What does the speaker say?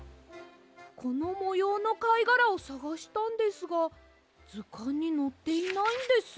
このもようのかいがらをさがしたんですがずかんにのっていないんです。